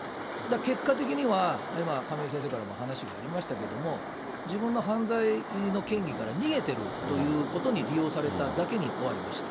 結果的には、今、亀井先生からも話しがありましたけれども、自分の犯罪の嫌疑から逃げてるということに利用されただけに終わりました。